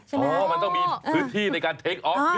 ใช่ไหมครับอ๋อมันต้องมีพื้นที่ในการเทคออก